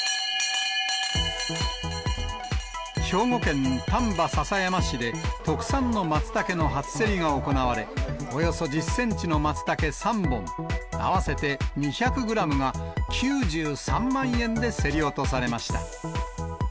兵庫県丹波篠山市で特産のマツタケの初競りが行われ、およそ１０センチのマツタケ３本、合わせて２００グラムが、９３万円で競り落とされました。